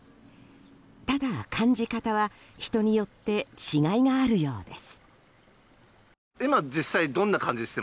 ただ、感じ方は人によって違いがあるようです。